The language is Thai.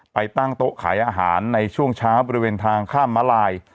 ตั้งโต๊ะขายอาหารในช่วงเช้าบริเวณทางข้ามมาลาย